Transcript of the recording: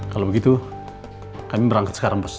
kalau begitu kami berangkat sekarang mas